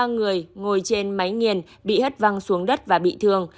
ba người ngồi trên máy nghiền bị hất văng xuống đất và bị thương